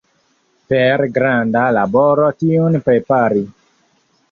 Vere granda laboro tiun prepari.